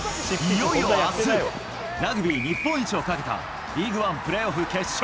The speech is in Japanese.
いよいよあす、ラグビー日本一をかけた、リーグワンプレーオフ決勝。